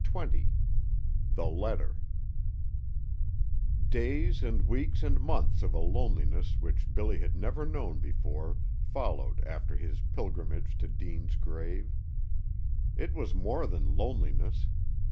XX THE LETTER Days and weeks and months of a loneliness which Billy had never known before followed after his pilgrimage to Deane's grave. It was more than loneliness.